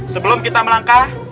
sebelum kita melangkah